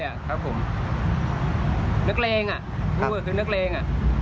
นักเล่งคุมแบบนักเล่ง